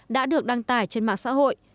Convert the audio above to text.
đã được đăng tải trên mạng xã hội